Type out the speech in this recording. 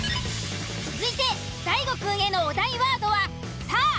続いて大悟くんへのお題ワードは「さぁ」。